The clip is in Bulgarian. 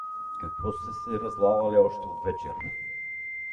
Какво сте се разлали още от вечер?